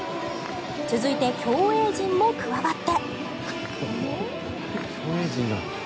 続いて、競泳陣も加わって。